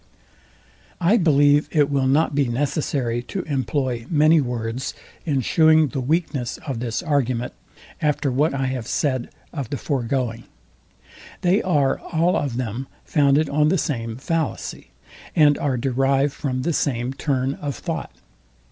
I believe it will not be necessary to employ many words in shewing the weakness of this argument, after what I have said of the foregoing. They are all of them founded on the same fallacy, and are derived from the same turn of thought.